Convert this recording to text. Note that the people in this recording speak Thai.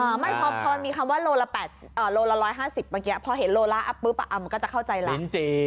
อ่าไม่พอมีคำว่าโลละ๘๐บาทโลละ๑๕๐บาทเมื่อกี้พอเห็นโลละปุ๊บอะมันก็จะเข้าใจแล้ว